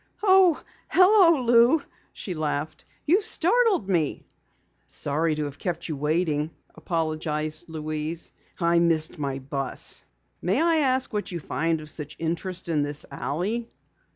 "Oh, hello, Lou," she laughed. "You startled me." "Sorry to have kept you waiting," apologized Louise. "I missed my bus. May I ask what you find of such interest in this alley?"